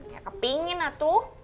gak kepingin lah tuh